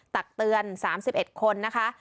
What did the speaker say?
ตักเตือน๓๑คนนะคะ